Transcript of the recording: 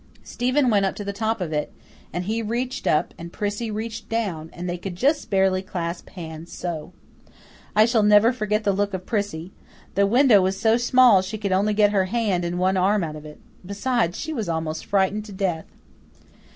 Stephen went up to the top of it, and he reached up and Prissy reached down, and they could just barely clasp hands so. I shall never forget the look of Prissy. The window was so small she could only get her head and one arm out of it. Besides, she was almost frightened to death.